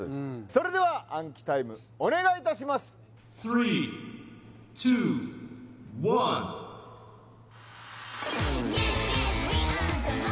それでは暗記タイムお願いいたしますＹｅｓ！